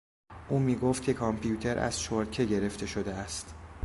او میگفت که کامپیوتر از چرتکه گرفته شده است.